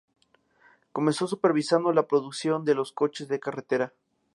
Comenzó supervisando la producción de los coches de carretera.